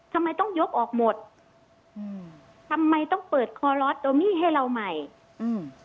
ทำไมต้องยกออกหมดอืมทำไมต้องเปิดคอลอสโดมิให้เราใหม่อืม